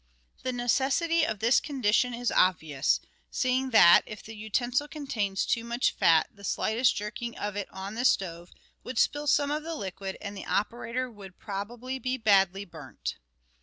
The necessity of this condition is obvious, seeing that if the utensil contain too much fat the slightest jerking of it on the stove would spill some of the liquid, and the operator would probably be badly burnt.